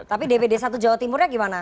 tapi dpd satu jawa timurnya gimana